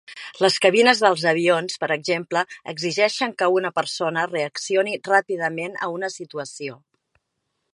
Les cabines dels avions, per exemple, exigeixen que una persona reaccioni ràpidament a una situació.